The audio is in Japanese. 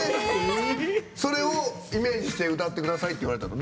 それをイメージして歌ってくださいって言われたの？